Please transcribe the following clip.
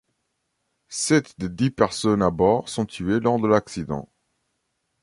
Sept des dix personnes à bord sont tuées lors de l'accident.